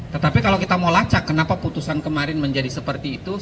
tetapi kalau kita mau lacak kenapa putusan kemarin menjadi seperti itu